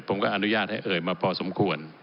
ผมก็อนุญาตให้เอ่ยมาพอสมควร